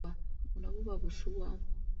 Buno buba busuwa.